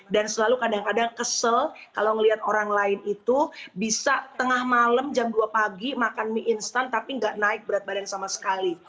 dan selalu kadang kadang kesel kalau melihat orang lain itu bisa tengah malam jam dua pagi makan mie instan tapi nggak naik berat badan sama sekali